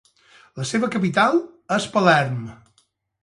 La seva capital és Palerm.